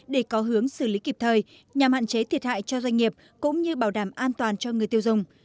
để có hướng xử lý kịp thời nhằm hạn chế thiệt hại cho doanh nghiệp cũng như bảo đảm an toàn cho người tiêu dùng